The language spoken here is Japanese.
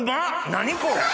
何これ？